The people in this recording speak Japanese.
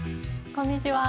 こんにちは。